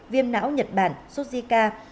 viêm não nhật bản sốt zika